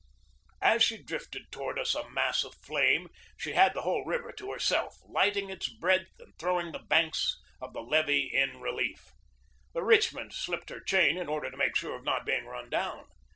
As she drifted toward us a mass of flame, she had the whole river to herself, lighting its breadth and throwing the banks of the levee in relief. The Rich mond slipped her chain in order to make sure of not being run down.